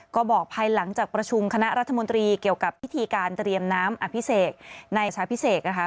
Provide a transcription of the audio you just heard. ก็บอกภายหลังจากประชุมคณะรัฐมนตรีเกี่ยวกับพิธีการเตรียมน้ำอภิเษกในชาพิเศษนะคะ